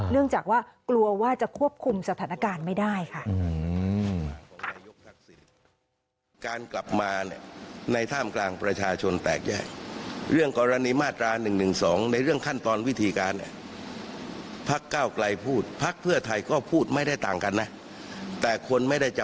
เนื่องจากว่ากลัวว่าจะควบคุมสถานการณ์ไม่ได้ค่ะ